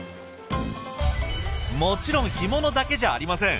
もちろん干物だけじゃありません。